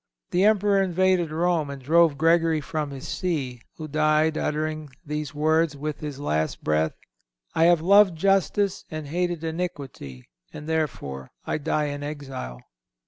The Emperor invaded Rome and drove Gregory from his See, who died uttering these words with his last breath: "I have loved justice and hated iniquity, and therefore I die in exile."